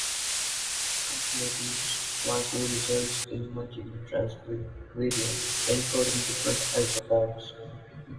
Alternative splicing results in multiple transcript variants encoding different isoforms.